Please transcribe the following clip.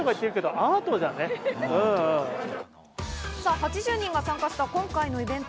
８０人が参加した今回のイベント。